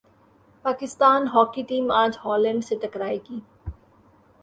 Pakistan hockey team اج Holland سے ٹکرا ئے گی